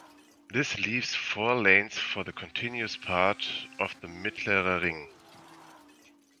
This leaves four lanes for the continuous part of the "Mittlerer Ring".